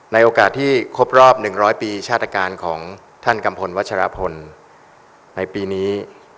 ในโอกาสที่ครบรอบ๑๐๐ปีชาตการของท่านกัมพลวัชรพลในปีนี้